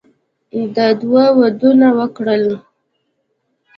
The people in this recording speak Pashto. ده دوه ودونه وکړل.